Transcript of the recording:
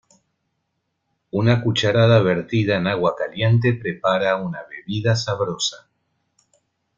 Una cucharada vertida en agua caliente prepara una bebida sabrosa.